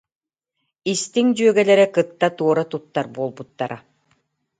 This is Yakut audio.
Истиҥ дьүөгэлэрэ кытта туора туттар буолбуттара